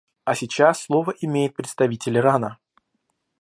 А сейчас слово имеет представитель Ирана.